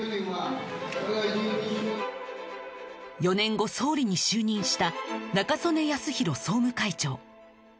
４年後総理に就任した中曽根康弘総務会長